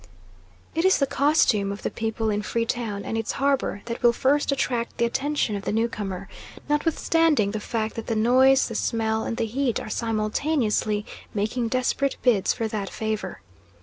It is the costume of the people in Free Town and its harbour that will first attract the attention of the newcomer, notwithstanding the fact that the noise, the smell, and the heat are simultaneously making desperate bids for that favour.